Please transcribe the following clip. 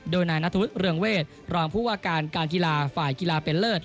โดยนายนัทธวุฒิเรืองเวทรองผู้ว่าการการกีฬาฝ่ายกีฬาเป็นเลิศ